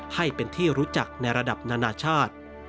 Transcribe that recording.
ให้เป็นที่รู้จักในระดับนานาชาติ